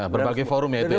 berbagai forum ya itu ya